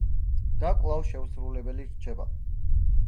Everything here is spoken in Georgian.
და კვლავ შეუსრულებელი რჩება.